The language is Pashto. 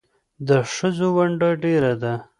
د ښځو ونډه ډېره ده